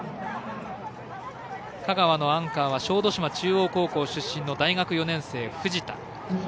香川のアンカーは小豆島中央高校出身の大学４年生、藤田。